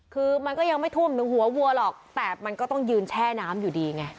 คือมันก็ยังไม่ท่วมถึงหัววัวหรอกแต่มันก็ต้องยืนแช่น้ำอยู่ดีไง